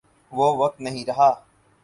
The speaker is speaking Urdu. وہ وقت نہیں رہا۔